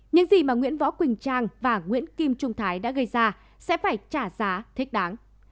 những gì mà nguyễn võ quỳnh trang và nguyễn kim trung thái đã gây ra sẽ phải trả giá thích đáng